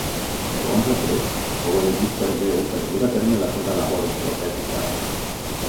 Segons aquests fou elegit per Déu per dur a terme la seva labor profètica.